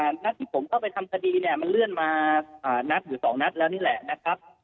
นัดที่ผมเข้าไปทำคดีเนี่ยมันเลื่อนมานัดหรือสองนัดแล้วนี่แหละนะครับ